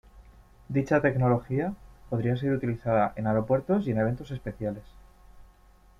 Dicha tecnología podría ser utilizada en aeropuertos y en eventos especiales.